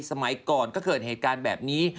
สมัยก่อนก็เกิดเหตุการณ์แบบนี้